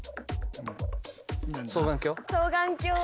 双眼鏡？